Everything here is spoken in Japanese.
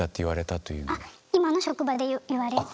あっ今の職場で言われて。